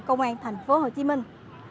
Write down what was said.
công an thành phố hồ chí minh